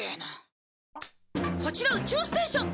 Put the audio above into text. こちら宇宙ステーション。